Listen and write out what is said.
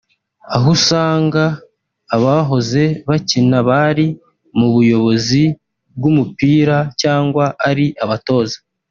aho usanga abahoze bakina bari mu buyobozi bw’umupira cyangwa ari abatoza